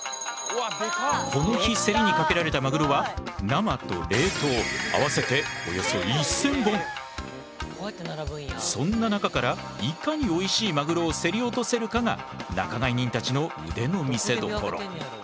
この日競りにかけられたマグロは生と冷凍合わせてそんな中からいかにおいしいマグロを競り落とせるかが仲買人たちの腕の見せどころ。